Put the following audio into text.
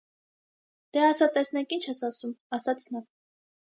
- Դե ասա տեսնենք ինչ ես ասում,- ասաց նա: